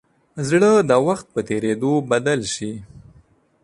زړه د وخت په تېرېدو بدل شي.